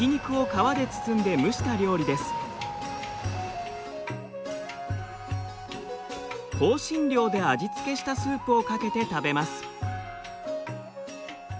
香辛料で味付けしたスープをかけて食べます。